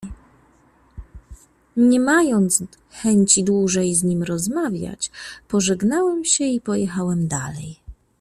"Nie mając chęci dłużej z nim rozmawiać, pożegnałem się i pojechałem dalej."